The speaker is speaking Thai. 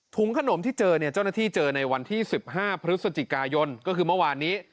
ขนมที่เจอเนี่ยเจ้าหน้าที่เจอในวันที่๑๕พฤศจิกายนก็คือเมื่อวานนี้